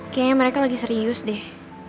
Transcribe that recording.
kayaknya mereka lagi serius deh